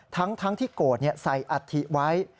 ทั้งที่โกรธใส่อัฐิไว้